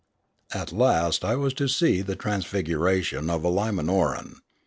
At last I was to see the transfiguration of a Lima noran.